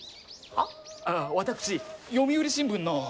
あっ私読売新聞の。